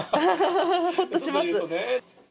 ほっとします。